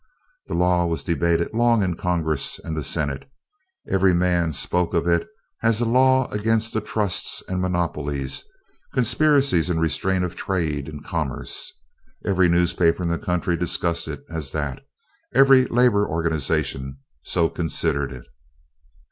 The law was debated long in Congress and the Senate. Every man spoke of it as a law against the trusts and monopolies, conspiracies in restraint of trade and commerce. Every newspaper in the country discussed it as that; every labor organization so considered it.